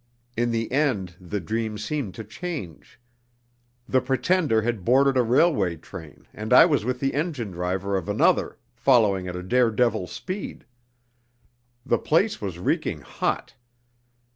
In the end the dream seemed to change. The pretender had boarded a railway train, and I was with the engine driver of another, following at a dare devil speed. The place was reeking hot.